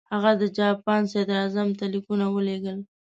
هغه د جاپان صدراعظم ته لیکونه ولېږل.